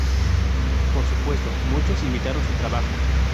Por su puesto, muchos imitaron su trabajo.